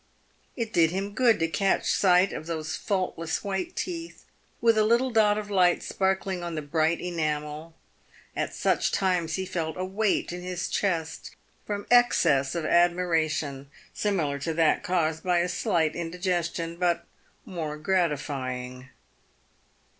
It did him good to catch sight of those faultless white teeth, with a little dot of light sparkling on the bright enamel. At such times he felt a weight in his chest from excess of admiration, similar to that caused by a slight indigestion , but more gratifying.